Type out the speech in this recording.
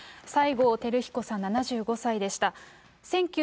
西郷輝彦さん７５歳でした。